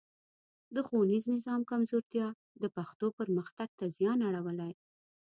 د ښوونیز نظام کمزورتیا د پښتو پرمختګ ته زیان اړولی.